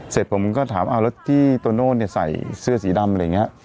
เสร็จผมก็ถามอ่าแล้วที่ตัวโน่เนี้ยใส่เสื้อสีดำอะไรอย่างเงี้ย